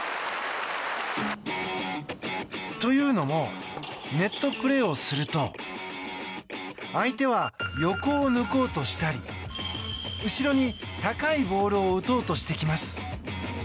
というのもネットプレーをすると相手は横を抜こうとしたり後ろに高いボールを打とうとしてきます。